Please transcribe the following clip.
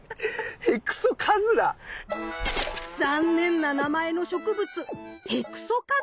残念な名前の植物ヘクソカズラ。